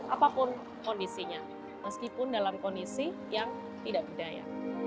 apapun kondisinya meskipun dalam kondisi yang tidak berdaya